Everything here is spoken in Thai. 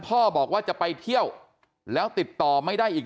พ่อบอกว่าจะไปเที่ยวแล้วติดต่อไม่ได้อีก